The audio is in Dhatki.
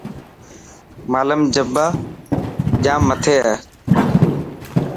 نمالم جبا جام مٿي هي.